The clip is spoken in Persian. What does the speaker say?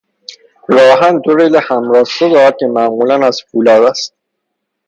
راه آهن دو ریل همراستا دارد که معمولاً از فولاد است.